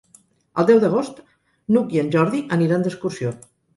El deu d'agost n'Hug i en Jordi aniran d'excursió.